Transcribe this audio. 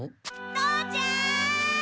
父ちゃん！